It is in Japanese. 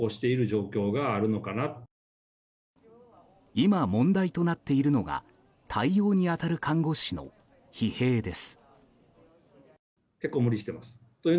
今、問題となっているのが対応に当たる看護師の疲弊です。